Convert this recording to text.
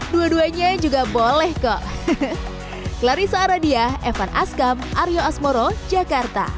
dua duanya juga boleh kok